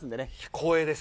光栄です。